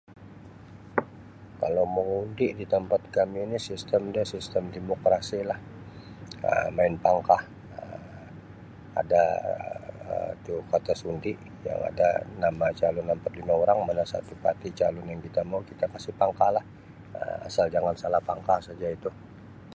Kalau mengundi di tempat kami ni sistem dia sistem demokrasi lah Um main pangkah Um ada Um tu kertas undi dan ada nama calon empat lima orang mana satu parti calon yang kita mau kita kasi pangkah lah Um asal jangan salah pangkah saja itu.